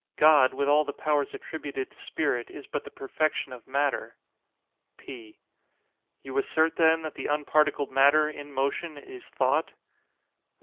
God, with all the powers attributed to spirit, is but the perfection of matter. P. You assert, then, that the unparticled matter, in motion, is thought?